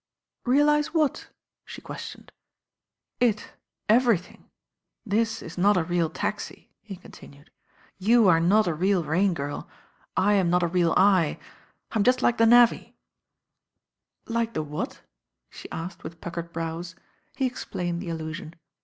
"Realise what?" she qjestioned. "It, everything. This is not a real taxi," he con tinued. "You are not a real Rain Girl. I am not a real I. I'm just like the navvy." "Like the what?" she asked with puckered brows. He explained the allusion.